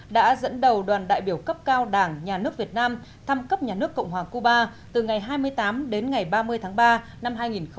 đã dẫn đầu đoàn đại biểu cấp cao đảng nhà nước việt nam thăm cấp nhà nước cộng hòa cuba từ ngày hai mươi tám đến ngày ba mươi tháng ba năm hai nghìn một mươi chín